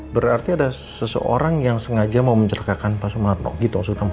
berarti ada seseorang yang sengaja mau mencelakakan pak sumarno gitu langsung kamu